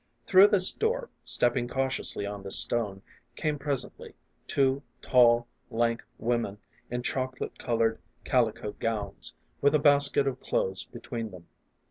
Through this door, stepping cautiously on the stone, came presently two tall, lank women in chocolate colored calico gowns, with a basket of clothes between them.